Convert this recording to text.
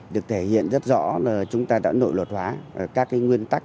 được thể hiện rất rõ là chúng ta đã nội luật hóa các nguyên tắc